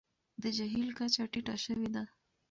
د جهیل کچه ټیټه شوې ده.